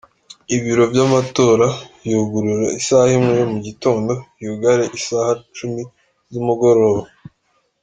Ibiro vy’amatora vyugurura isaha imwe yo mu gitondo, vyugare isaha cumi z’umugoroba.